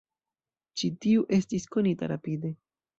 Ĉi tiu estis konita rapide.